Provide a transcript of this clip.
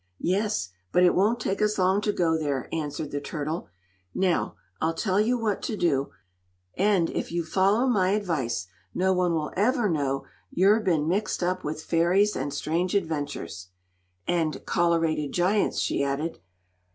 "Yes; but it won't take us long to go there," answered the turtle. "Now, I'll tell you what to do and, if you follow my advice no one will ever know you've been mixed up with fairies and strange adventures." "And Collerated Giants," she added.